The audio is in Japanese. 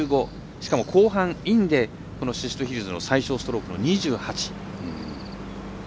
しかも後半、インで宍戸ヒルズの最少ストロークの２８。